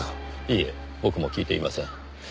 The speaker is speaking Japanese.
いいえ僕も聞いていません。